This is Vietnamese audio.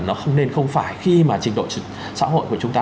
nó không nên không phải khi mà trình độ xã hội của chúng ta